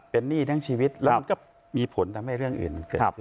เป็นหนี้ทั้งชีวิตแล้วมันก็มีผลทำให้เรื่องอื่นเกิดขึ้น